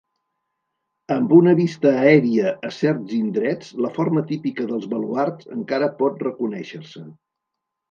Amb una vista aèria a certs indrets la forma típica dels baluards encara pot reconèixer-se.